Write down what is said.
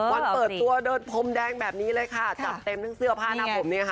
เปิดตัวเดินพรมแดงแบบนี้เลยค่ะจัดเต็มทั้งเสื้อผ้าหน้าผมเนี่ยค่ะ